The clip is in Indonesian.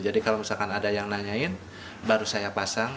jadi kalau misalkan ada yang nanyain baru saya pasang